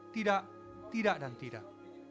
tidak tidak dan tidak